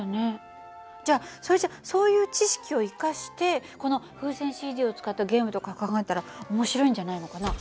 じゃあそれじゃそういう知識を生かしてこの風船ＣＤを使ったゲームとか考えたら面白いんじゃないのかな？